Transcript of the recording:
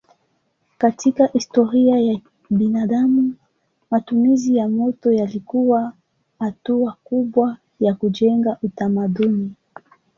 Katika historia ya binadamu matumizi ya moto yalikuwa hatua kubwa ya kujenga utamaduni.